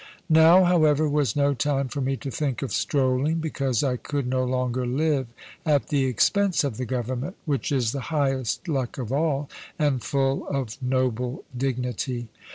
Now, however, was no time for me to think of strolling, because I could no longer live at the expense of the Government, which is the highest luck of all, and full of noble dignity.